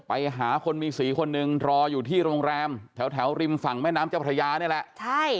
ไปหาคนมีสีคนหนึ่งรออยู่ที่โรงแรมแถวริมฝั่งแม่น้ำเจ้าพระยานี่แหละใช่